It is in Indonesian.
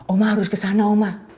omah harus kesana omah